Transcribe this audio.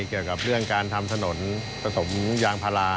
เกี่ยวกับเรื่องการทำถนนผสมยางพารา